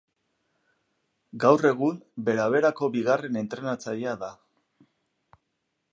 Gaur egun Bera Berako bigarren entrenatzailea da.